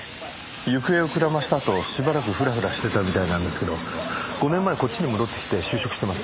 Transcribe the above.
行方をくらませたあとしばらくフラフラしてたみたいなんですけど５年前こっちに戻ってきて就職してます。